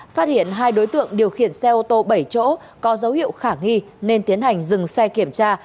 phát hiện hai đối tượng điều khiển xe ô tô bảy chỗ có dấu hiệu khả nghi nên tiến hành dừng xe kiểm tra